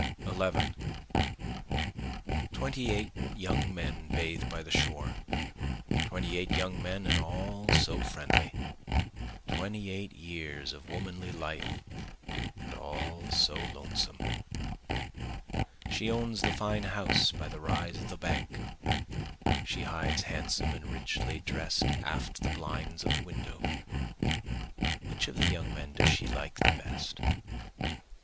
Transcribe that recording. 11 Twenty eight young men bathe by the shore, Twenty eight young men and all so friendly; Twenty eight years of womanly life and all so lonesome. She owns the fine house by the rise of the bank, She hides handsome and richly drest aft the blinds of the window. Which of the young men does she like the best?